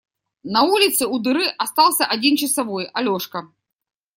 На улице у дыры остался один часовой – Алешка.